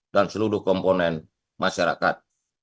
dan seluruh komponen masyarakat